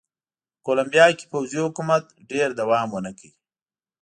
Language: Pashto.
په کولمبیا کې پوځي حکومت ډېر دوام ونه کړ.